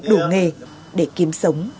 đủ nghề để kiếm sống